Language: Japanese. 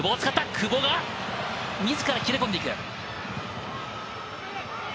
久保が自ら切れ込んでいく。